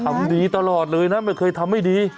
ทำดีตลอดเลยนะไม่เคยทำให้ดี